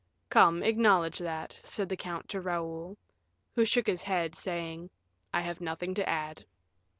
Come, acknowledge that," said the count to Raoul, who shook his head, saying, "I have nothing to add."